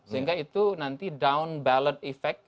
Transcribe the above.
sehingga itu nanti down ballot effect